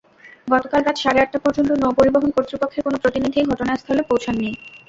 গতকাল রাত সাড়ে আটটা পর্যন্ত নৌপরিবহন কর্তৃপক্ষের কোনো প্রতিনিধি ঘটনাস্থলে পৌঁছাননি।